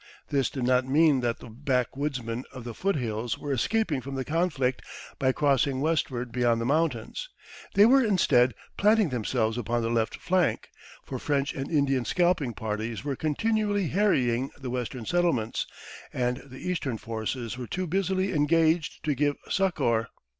This did not mean that the backwoodsmen of the foot hills were escaping from the conflict by crossing westward beyond the mountains; they were instead planting themselves upon the left flank, for French and Indian scalping parties were continually harrying the Western settlements, and the Eastern forces were too busily engaged to give succor.